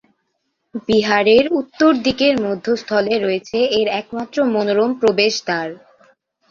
বিহারের উত্তর দিকের মধ্যস্থলে রয়েছে এর একমাত্র মনোরম প্রবেশদ্বার।